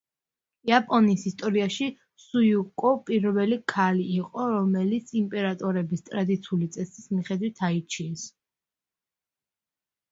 იაპონიის ისტორიაში სუიკო პირველი ქალი იყო, რომელიც იმპერატორების ტრადიციული წესის მიხედვით აირჩიეს.